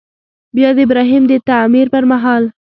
بیا د ابراهیم د تعمیر پر مهال.